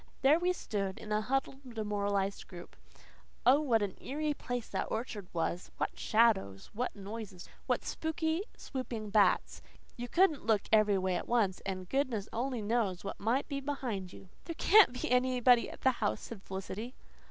There we stood in a huddled demoralized group. Oh, what an eerie place that orchard was! What shadows! What noises! What spooky swooping of bats! You COULDN'T look every way at once, and goodness only knew what might be behind you! "There CAN'T be anybody in the house," said Felicity.